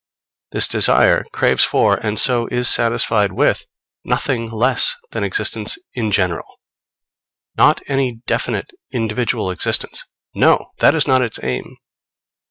This desire craves for, and so is satisfied with, nothing less than existence in general not any definite individual existence. No! that is not its aim.